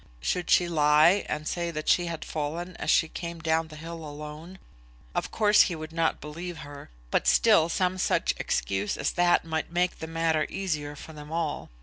Should she lie, and say that she had fallen as she came down the hill alone? Of course he would not believe her, but still some such excuse as that might make the matter easier for them all.